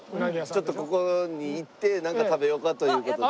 ちょっとここに行ってなんか食べようかという事で。